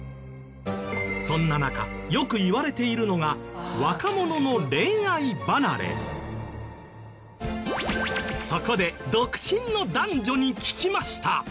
そんな中よく言われているのが若者のそこで独身の男女に聞きました。